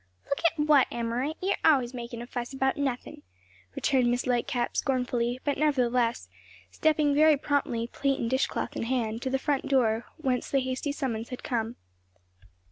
"Look at what, Emmaret? you're always makin' a fuss about nothin'," returned Miss Lightcap scornfully, but nevertheless, stepping very promptly, plate and dishcloth in hand, to the front door whence the hasty summons had come.